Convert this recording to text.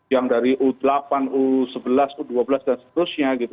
yang dari u delapan u sebelas u dua belas dan seterusnya gitu